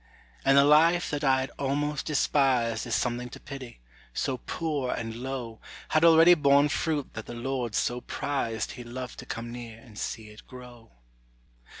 And the life that I had almost despised As something to pity, so poor and low, Had already borne fruit that the Lord so prized He loved to come near and see it grow.